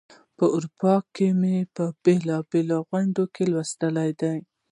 په اروپا کې مي په بېلو بېلو غونډو کې لوستې دي.